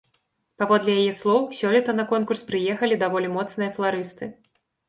Паводле яе слоў, сёлета на конкурс прыехалі даволі моцныя фларысты.